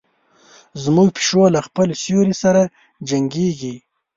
زموږ پیشو له خپل سیوري سره جنګیږي.